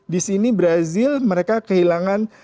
di sini brazil mereka kehilangan